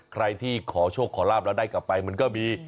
ใครที่ขอโชคขอลาบแล้วได้กลับไปมันก็มี